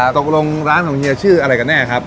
ตกลงร้านของเฮียชื่ออะไรกันแน่ครับ